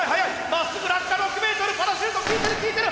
まっすぐ落下６ｍパラシュートきいてるきいてる！